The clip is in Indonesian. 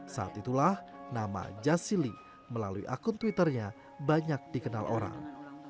saat itulah nama jas sili melalui akun twitternya banyak dikenal orang